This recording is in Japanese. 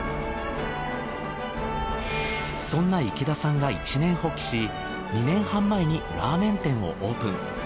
そんな池田さんが一念発起し２年半前にラーメン店をオープン。